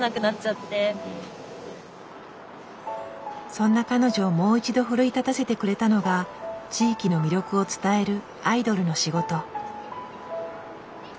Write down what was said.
そんな彼女をもう一度奮い立たせてくれたのが地域の魅力を伝えるアイドルの仕事。